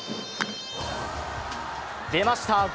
出ました